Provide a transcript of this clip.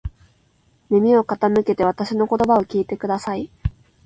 耳を傾けてわたしの言葉を聞いてください。